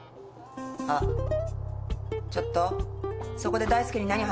あっちょっとそこで大介に何話してんの？